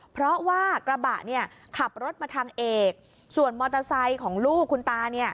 เพราะว่ากระบะเนี่ยขับรถมาทางเอกส่วนมอเตอร์ไซค์ของลูกคุณตาเนี่ย